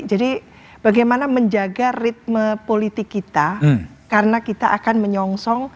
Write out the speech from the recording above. jadi bagaimana menjaga ritme politik kita karena kita akan menyongsong